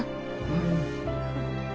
うん。